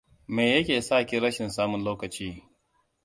Me ya ke sa ki rashin samun lokaci?